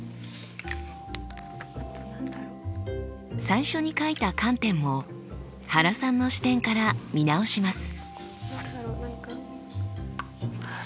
最初に書いた観点も原さんの視点から見直します。